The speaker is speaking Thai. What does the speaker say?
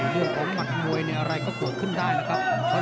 เรื่องของหมัดมวยเนี่ยอะไรก็โกรธขึ้นได้นะครับ